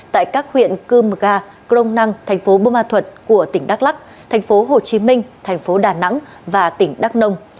tại các huyện cưm ga crong năng tp bơ ma thuật của tỉnh đắk lắc tp hồ chí minh tp đà nẵng và tỉnh đắk nông